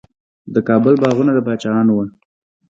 د کابل باغونه د پاچاهانو وو.